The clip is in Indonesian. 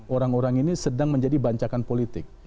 orang orang ini sedang menjadi bancakan politik